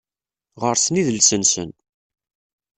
Ɣer-sen idles-nsen